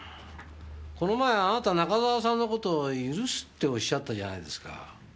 この前あなた中澤さんの事を許すっておっしゃったじゃないですか。